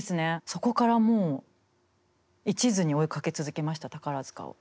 そこからもういちずに追いかけ続けました宝塚を。